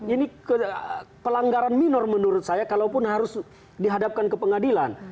ini pelanggaran minor menurut saya kalaupun harus dihadapkan ke pengadilan